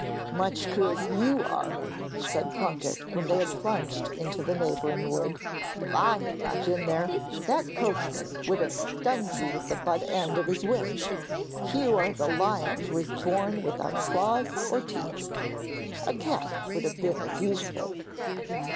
'Much good you are!' said Plunket, when they had plunged into the neighbouring wood. 'If I had not been there that coachman would have stunned you with the butt end of his whip. You are the lion who was born without claws or teeth! A cat would have been as useful.'